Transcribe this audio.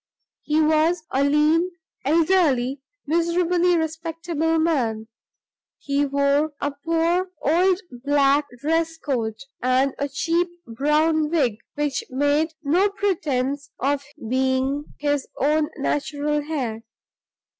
He was a lean, elderly, miserably respectable man. He wore a poor old black dress coat, and a cheap brown wig, which made no pretense of being his own natural hair.